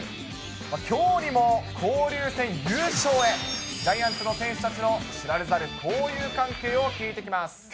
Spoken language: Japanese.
きょうにも交流戦優勝へ、ジャイアンツの選手たちの知られざる交友関係を聞いてきます。